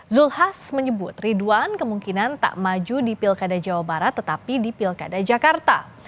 zulkifli hasan menyebut ridwan kemungkinan tak maju di pilkada jawa barat tetapi di pilkada jakarta